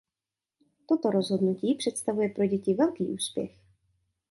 Toto rozhodnutí představuje pro děti velký úspěch.